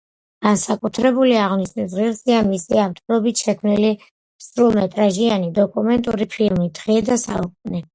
განსაკუთრებული აღნიშვნის ღირსია მისი ავტორობით შექმნილი სრულმეტრაჟიანი დოკუმენტური ფილმი „დღე და საუკუნე“.